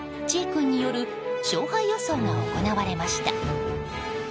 君による勝敗予想が行われました。